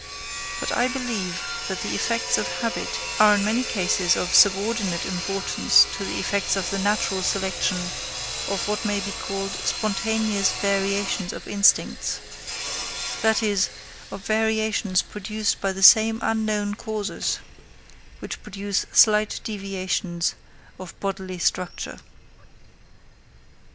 But I believe that the effects of habit are in many cases of subordinate importance to the effects of the natural selection of what may be called spontaneous variations of instincts;—that is of variations produced by the same unknown causes which produce slight deviations of bodily structure.